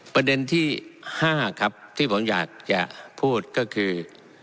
ประเด็นที่๕ครับที่ผมอยากจะพูดก็คือ